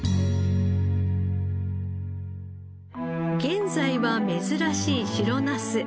現在は珍しい白ナス。